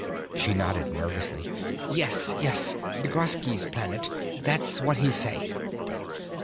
She nodded nervously. "Yes, yes. D'Graski's Planet. That's what he say."